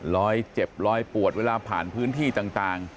รอยเจ็บลอยปวดเวลาผ่านพื้นที่ต่าง